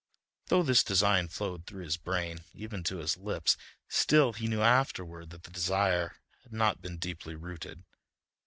Though this design flowed through his brain even to his lips, still he knew afterward that the desire had not been deeply rooted.